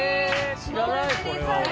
知らないこれは俺。